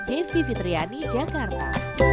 devi fitriani jakarta